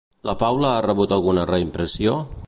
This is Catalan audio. La Faula ha rebut alguna reimpressió?